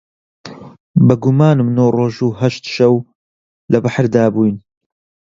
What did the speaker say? بە گومانم نۆ ڕۆژ و هەشت شەو لە بەحردا بووین